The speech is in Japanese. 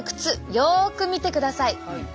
よく見てください。